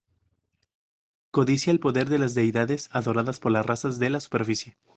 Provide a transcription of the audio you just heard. Codicia el poder de las deidades adoradas por las razas de la superficie.